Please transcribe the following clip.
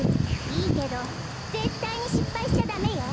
いいけどぜったいにしっぱいしちゃダメよ。